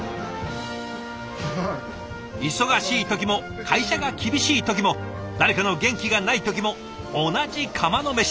忙しい時も会社が厳しい時も誰かの元気がない時も同じ釜のメシ。